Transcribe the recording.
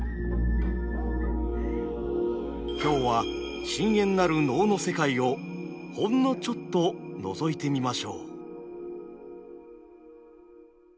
今日は深遠なる能の世界をほんのちょっとのぞいてみましょう。